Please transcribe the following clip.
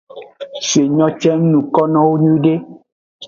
Se nyo ce ng nuko nowo nyuiede.